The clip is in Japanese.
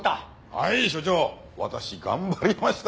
はい署長私頑張りました！